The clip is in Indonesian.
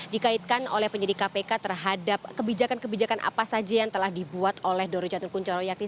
dikaitkan oleh penyidik kpk terhadap kebijakan kebijakan apa saja yang telah dibuat oleh doro jatul kunchoro yakti